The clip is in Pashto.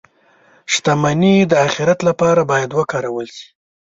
• شتمني د آخرت لپاره باید وکارول شي.